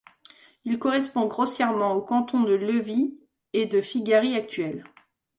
Il correspond grossièrement aux cantons de Levie et de Figari actuels.